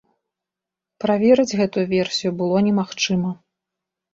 Праверыць гэтую версію было не магчыма.